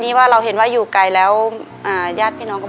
ในแคมเปญพิเศษเกมต่อชีวิตโรงเรียนของหนู